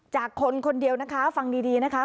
คนคนเดียวนะคะฟังดีนะคะ